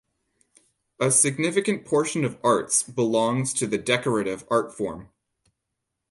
A significant portion of arts belongs to the decorative art form.